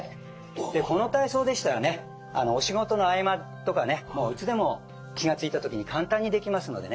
でこの体操でしたらねお仕事の合間とかねもういつでも気が付いた時に簡単にできますのでね。